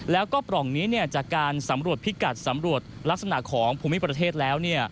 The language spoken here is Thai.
แล้วก็ปล่องนี้จากการสำรวจพิกัดสำรวจลักษณะของภูมิประเทศแล้ว